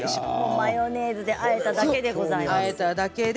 マヨネーズであえただけでございます。